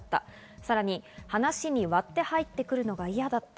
さらに話に割って入ってくるのが嫌だった。